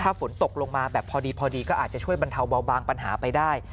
ถ้าฝนตกลงมาแบบพอดีก็อาจจะช่วยบรรเทาเบาบางปัญหาไปได้